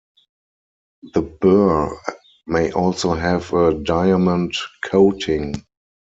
The burr may also have a diamond coating.